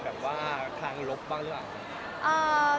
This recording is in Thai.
แบบว่าทางลบบ้างหรืออะไร